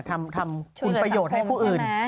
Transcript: ทำคุณประโยชน์ให้ผู้อื่น